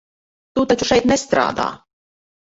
Tu taču šeit nestrādā?